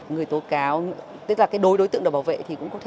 người tố cáo tức là cái đối đối tượng được bảo vệ thì cũng có thể